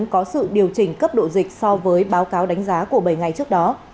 có sự điều chỉnh cấp độ dịch so với báo cáo đánh giá của bảy ngày trước đó